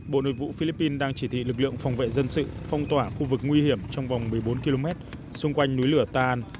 bộ nội vụ philippines đang chỉ thị lực lượng phòng vệ dân sự phong tỏa khu vực nguy hiểm trong vòng một mươi bốn km xung quanh núi lửa ta an